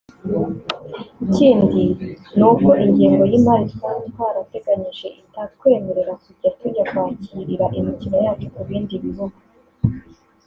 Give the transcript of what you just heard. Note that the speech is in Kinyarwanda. Ikindi ni uko ingengo y’imari twari twarateganije itatwemerera kujya tujya kwakirira imikino yacu ku bindi bibuga